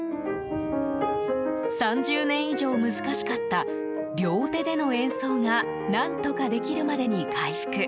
３０年以上難しかった両手での演奏が何とかできるまでに回復。